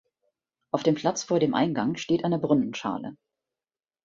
Auf dem Platz vor dem Eingang steht eine Brunnenschale.